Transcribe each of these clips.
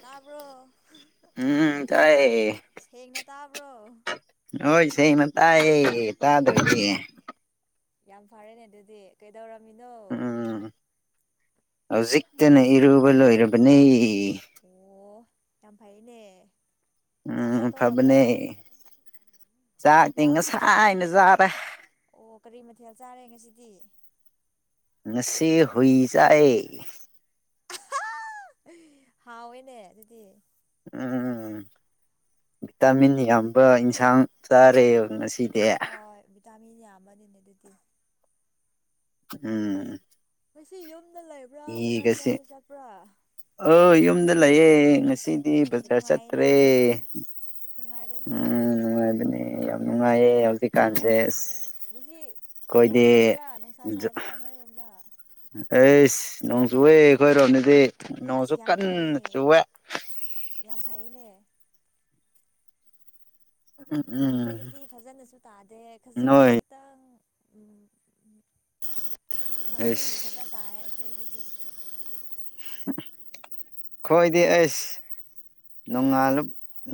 ꯇꯥꯕ꯭ꯔꯣ ꯎꯝ ꯇꯥꯏꯌꯦ ꯁꯦꯡꯅ ꯇꯥꯕ꯭ꯔꯣ ꯍꯣꯏ ꯊꯦꯡꯅꯥ ꯑꯦ ꯌꯥꯝ ꯐꯔꯦꯅꯦ ꯑꯗꯨꯗꯤ ꯀꯩꯗꯧꯔꯝꯃꯤꯅꯣ ꯎꯝ ꯍꯧꯖꯤꯛꯇꯅ ꯏꯔꯨꯕ ꯂꯣꯏꯔꯕꯅꯤ ꯑꯣ ꯌꯥꯝ ꯐꯩꯅꯦ ꯆꯥꯛ ꯎꯝ ꯆꯥꯊꯣꯛꯔꯕ꯭ꯔꯥ ꯐꯕꯅꯦ ꯆꯥꯛꯇꯤ ꯆꯥꯥꯛ ꯉꯁꯥꯏꯅ ꯆꯥꯔꯦ ꯑꯣ ꯀꯔꯤ ꯃꯊꯦꯜ ꯆꯥꯔꯦ ꯉꯁꯤꯗꯤ ꯉꯁꯤ ꯍꯨꯏ ꯆꯥꯔꯦ ꯍꯥꯎꯋꯦꯅꯦ ꯑꯗꯨꯗꯤ ꯎꯝ ꯚꯤꯇꯥꯃꯤꯟ ꯌꯥꯝꯕ ꯏꯟꯁꯥꯡ ꯆꯥꯔꯦ ꯉꯁꯤꯗꯤ ꯇꯃꯤꯅꯤ ꯍꯥꯝꯃꯅꯤꯅꯦ ꯑꯗꯨꯗꯤ [inaudible] ꯉꯁꯤ ꯌꯨꯝꯗ ꯂꯩ ꯏꯒꯁꯦ ꯑ ꯌꯨꯝꯗ ꯂꯩꯥꯑꯦ ꯉꯁꯤ ꯎꯝ ꯖꯔ ꯆꯠꯇ꯭ꯔꯦ ꯅꯨꯡꯉꯥꯏꯅꯦ ꯅꯨꯡꯉꯥꯏꯔꯦꯅꯦ ꯎꯝꯅꯦ ꯅꯨꯡꯉꯥꯏꯌꯦ ꯍꯧꯗꯤ ꯑꯣ ꯉꯁꯤ ꯅꯣꯡ ꯆꯨꯕ꯭ꯔꯥ ꯅꯨꯡꯁꯥ ꯑꯩꯈꯣꯏꯗꯤ ꯁꯥꯕ꯭ꯔꯥ ꯅꯣꯏꯔꯣꯝꯗ ꯑꯩꯁ ꯅꯣꯡ ꯆꯨꯑꯦ ꯑꯩꯈꯣꯏ ꯔꯣꯝꯅꯤꯗꯤ ꯑꯁ ꯅꯣꯡꯁꯨ ꯌꯥꯝ ꯀꯟꯅ ꯐꯩꯌꯦ ꯆꯨꯑꯦ ꯌꯥꯝ ꯐꯩꯅꯦ [inaudible] ꯑꯩꯈꯣꯏꯗꯗꯤ ꯐꯖꯅꯁꯨ ꯇꯥꯗꯦ ꯈꯖꯤꯛ ꯅꯣꯏ ꯈꯖꯤꯛ ꯈꯤꯇꯪ ꯃꯃꯤꯡꯒꯤ ꯑꯩꯁ ꯈꯛꯇ ꯇꯥꯏ ꯑꯩꯈꯣꯏꯗꯗꯤ ꯈꯣꯏꯗꯤ ꯑꯩꯁ ꯅꯣꯡꯉꯥ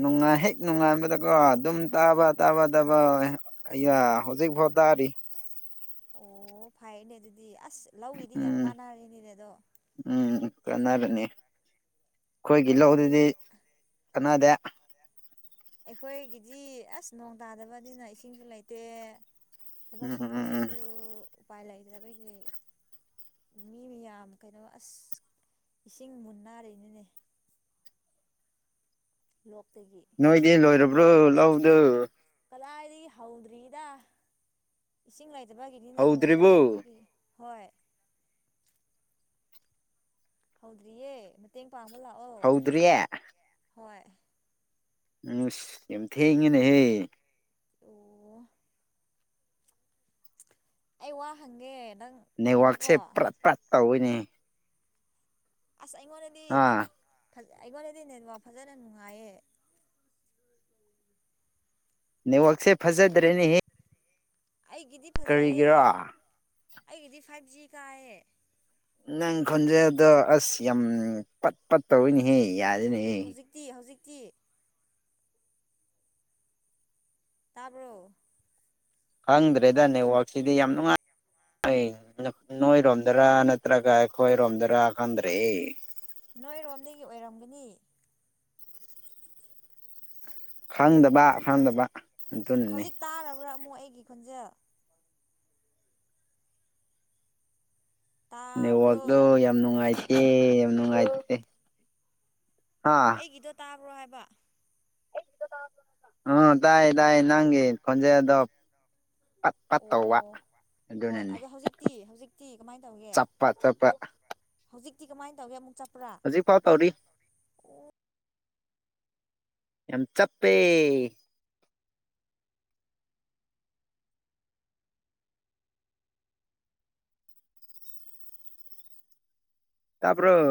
ꯅꯣꯡꯉꯥ ꯍꯦꯛ ꯅꯨꯡꯉꯥꯏꯕꯗꯀꯣ ꯑꯗꯨꯝ ꯇꯥꯕ ꯇꯥꯕ ꯇꯥꯕ ꯍꯧꯖꯤꯛꯐꯥꯎ ꯇꯥꯔꯤ ꯑꯣ ꯐꯩꯅꯦ ꯑꯗꯨꯗꯤ ꯑꯁ ꯂꯧꯒꯤꯗꯤ ꯌꯥꯝ ꯎꯝ ꯀꯥꯟꯅꯔꯤꯅꯤꯅꯦ ꯑꯗꯣ ꯎꯝ ꯀꯥꯟꯅꯕꯅꯤ ꯑꯩꯈꯣꯏꯒꯤ ꯂꯧ ꯑꯩꯈꯣꯏꯗꯗꯤ ꯑꯗꯨꯗꯤ ꯀꯅꯥꯗꯦ ꯑꯩꯈꯣꯏꯒꯤꯗꯤ ꯑꯁ ꯅꯣꯡ ꯇꯥꯗꯕꯅꯤꯅ ꯏꯁꯤꯡꯁꯨ ꯂꯩꯇꯦ ꯊꯕꯛ ꯎꯝ ꯎꯝ ꯎꯝ ꯁꯨꯅꯤꯡꯉꯥꯏꯁꯨ ꯎꯄꯥꯏ ꯂꯩꯗꯗ ꯑꯩꯣꯏꯒꯤ ꯃꯤ ꯃꯌꯥꯝ ꯀꯩꯅꯣ ꯑꯁ ꯏꯁꯤꯡ ꯃꯨꯟꯅꯔꯤꯅꯤꯅꯦ ꯂꯣꯛꯇꯒꯤ ꯅꯣꯏꯗꯤ ꯂꯣꯏꯔꯕ꯭ꯔꯣ ꯂꯧꯗꯣ ꯀꯂꯥꯏꯗꯒꯤ ꯍꯧꯗ꯭ꯔꯤꯗ ꯏꯁꯤꯡ ꯂꯩꯇꯕꯒꯤꯗꯤꯅꯦ ꯅꯣꯡ ꯍꯧꯗ꯭ꯔꯤꯕꯣ ꯇꯥꯗꯕꯒꯤ ꯍꯣꯏ ꯍꯧꯗ꯭ꯔꯤꯌꯦ ꯃꯇꯦꯡ ꯄꯥꯡꯕ ꯂꯥꯛꯑꯣ ꯍꯧꯗ꯭ꯔꯤꯌꯦ ꯍꯣꯏ ꯎꯝꯁ ꯌꯥꯝ ꯊꯦꯡꯉꯦꯅꯦꯍꯦ ꯑꯣ ꯑꯩ ꯋꯥ ꯍꯪꯒꯦ ꯅꯪ ꯅꯦꯠꯋꯛꯁꯦ ꯈꯨꯝꯃꯨꯀꯣ ꯄꯨꯔꯥ ꯄ꯭ꯔꯠ ꯇꯧꯏꯅꯦ ꯑꯁ ꯑꯩꯉꯣꯟꯗꯗꯤ ꯑꯥ ꯑꯩꯉꯣꯟꯗꯗꯤ ꯅꯦꯠꯋꯥꯛ ꯐꯖꯅ ꯅꯨꯡꯉꯥꯏꯌꯦ ꯅ ꯑꯛꯁꯦ ꯐꯖꯗ꯭ꯔꯦꯅꯤ ꯑꯩꯒꯤꯗꯤ ꯐꯖꯩꯌꯦ ꯀꯔꯤꯒꯤꯔꯥ ꯑꯩꯒꯤꯗꯤ ꯐꯥꯏꯚ ꯖꯤ ꯀꯥꯏꯌꯦ ꯅꯪ ꯈꯣꯟꯖꯦꯜꯗꯣ ꯑꯁ ꯌꯥꯝ ꯄꯠ ꯄꯠꯠꯇꯧꯔꯤꯅꯤꯍꯦ ꯌꯥꯔꯦ ꯑꯦ ꯍꯧꯖꯤꯛꯇꯤ ꯍꯧꯖꯤꯛꯇꯤ ꯇꯥꯕ꯭ꯔꯣ ꯈꯪꯗ꯭ꯔꯦꯗ ꯅꯦꯠꯋꯥꯛꯁꯤꯗꯤ ꯌꯥꯝ ꯅꯨꯡꯉꯥꯏ ꯅꯣꯏꯔꯣꯝꯗꯔꯥ ꯅꯠꯇ꯭ꯔꯒ ꯑꯩ ꯍꯣꯏ ꯔꯣꯝꯖꯔ ꯍꯥꯀꯥꯟ꯭ꯔꯦ ꯅꯣꯏꯔꯣꯝꯗꯒꯤ ꯑꯣꯏꯔꯝꯒꯅꯤ ꯈꯪꯗꯕ ꯈꯪꯗꯕ ꯑꯗꯨꯅꯅꯤ ꯍꯧꯖꯤꯛ ꯇꯥꯔꯕ꯭ꯔꯥ ꯑꯃꯨꯛ ꯑꯩꯒꯤ ꯈꯣꯟꯖꯦꯜ ꯇꯥꯕ꯭ꯔꯣ ꯅꯦꯠꯋꯥꯛꯗꯣ ꯌꯥꯝ ꯅꯨꯡꯉꯥꯏꯇꯦ ꯌꯥꯝ ꯅꯨꯡꯉꯥꯏꯇꯦ ꯍꯥ ꯑꯩꯒꯤꯗꯣ ꯇꯥꯕ꯭ꯔꯣ ꯍꯥꯏꯕ ꯑ ꯇꯥꯏꯌꯦ ꯇꯥꯏꯌꯦ ꯅꯪꯒꯤ ꯈꯣꯟꯖꯦꯜꯗꯣ ꯄꯠ ꯄꯠ ꯇꯧꯕ ꯑꯣ ꯍꯣꯏ ꯑꯗꯨꯅꯅꯦ ꯑꯗꯣ ꯍꯧꯖꯤꯛꯇꯤ ꯍꯧꯖꯤꯛꯇꯤ ꯀꯃꯥꯏ ꯇꯧꯒꯦ ꯆꯞꯄ ꯆꯞꯄ ꯍꯧꯖꯤꯛꯇꯤ ꯀꯃꯥꯏ ꯇꯧꯒꯦ ꯑꯃꯨꯛ ꯆꯠꯄ꯭ꯔꯥ ꯍꯧꯖꯤꯛ ꯐꯥꯎ ꯇꯧꯔꯤ ꯌꯥꯝ ꯆꯞꯄꯦ ꯇꯥꯕ꯭ꯔꯣ